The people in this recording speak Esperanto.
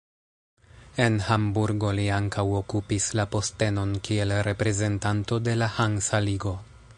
En Hamburgo li ankaŭ okupis la postenon kiel reprezentanto de la Hansa ligo.